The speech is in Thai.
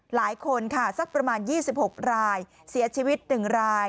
หลายคนค่ะสักประมาณ๒๖รายเสียชีวิต๑ราย